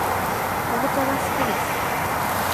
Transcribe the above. かぼちゃがすきです